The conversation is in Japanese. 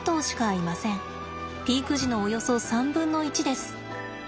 ピーク時のおよそ３分の１です。